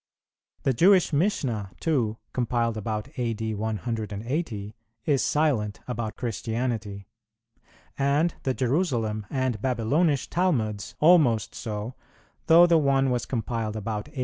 The Jewish Mishna, too, compiled about A.D. 180, is silent about Christianity; and the Jerusalem and Babylonish Talmuds almost so, though the one was compiled about A.